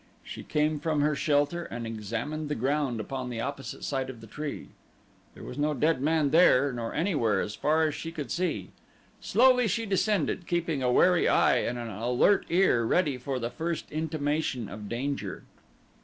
She came from her shelter and examined the ground upon the opposite side of the tree there was no dead man there, nor anywhere as far as she could see. Slowly she descended, keeping a wary eye and an alert ear ready for the first intimation of danger.